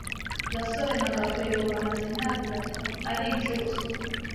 gasore na gakwego bamaze imyaka itatu ari inshuti